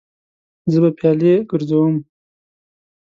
زه به پیالې ګرځوم.